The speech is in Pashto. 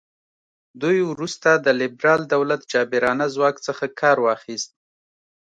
دوی وروسته د لیبرال دولت جابرانه ځواک څخه کار واخیست.